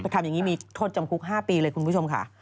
ทำอย่างนี้มีโทษจำคุก๕ปีเลยคุณผู้ชมค่ะ